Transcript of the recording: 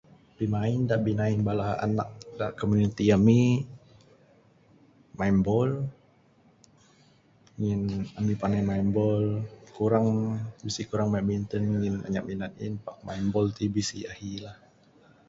Pimain da binain anak da komuniti ami main bol ngin ami panai main bol kurang bisi kurang main badminton ngin anyap minat ain pak main bol ti bisi ahi la.